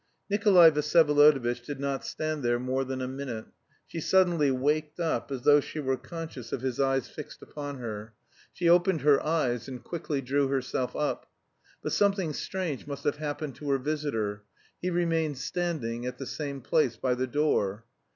Nikolay Vsyevolodovitch did not stand there more than a minute. She suddenly waked up, as though she were conscious of his eyes fixed upon her; she opened her eyes, and quickly drew herself up. But something strange must have happened to her visitor: he remained standing at the same place by the door.